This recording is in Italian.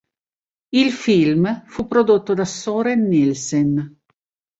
Il film fu prodotto da Søren Nielsen.